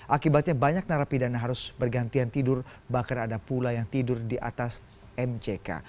akibatnya banyak narapidana harus bergantian tidur bahkan ada pula yang tidur di atas mck